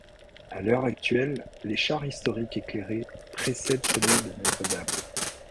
A l'heure actuelle, les chars historiques éclairés précèdent celui de Notre-Dame.